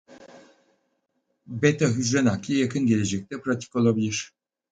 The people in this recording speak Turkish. Beta hücre nakli yakın gelecekte pratik olabilir.